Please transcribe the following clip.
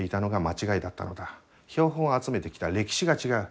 標本を集めてきた歴史が違う。